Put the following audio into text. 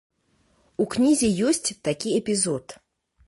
У кнізе ёсць такі эпізод.